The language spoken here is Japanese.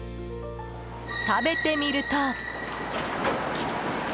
食べてみると。